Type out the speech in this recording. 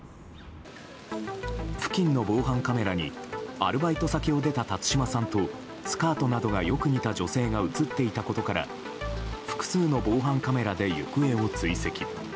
付近の防犯カメラにアルバイト先を出た辰島さんとスカートなどがよく似た女性が映っていたことから複数の防犯カメラで行方を追跡。